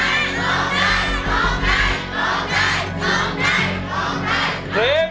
ร้องได้ร้องได้ร้องได้ร้องได้